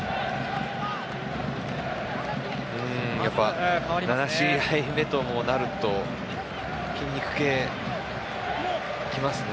やっぱり、７試合目ともなると筋肉系、きますね。